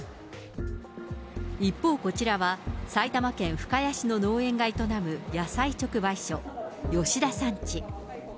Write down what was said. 一方、こちらは、埼玉県深谷市の農園が営む野菜直売所、吉田さんち。